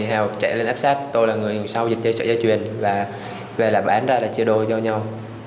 hàu chạy lên áp sát tôi là người ngồi sau dịch trợ dây chuyền và về làm bán ra và chia đôi cho nhau